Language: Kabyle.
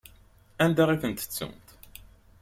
Anda i tent-ttunt?